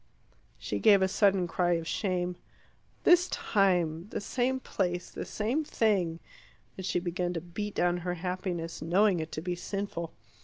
She gave a sudden cry of shame. "This time the same place the same thing" and she began to beat down her happiness, knowing it to be sinful.